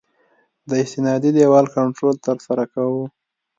د استنادي دیوال کنټرول ترسره کوو